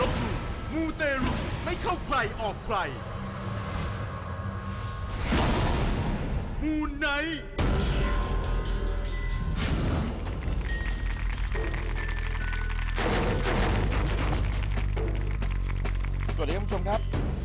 สวัสดีครับคุณผู้ชมครับ